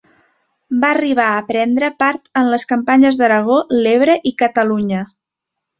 Va arribar a prendre part en les campanyes d'Aragó, l'Ebre i Catalunya.